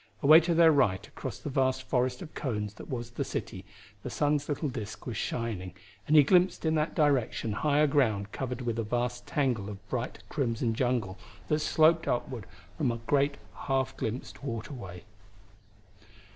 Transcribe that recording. Away to their right across the vast forest of cones that was the city the sun's little disk was shining, and he glimpsed in that direction higher ground covered with a vast tangle of bright crimson jungle that sloped upward from a great, half glimpsed waterway.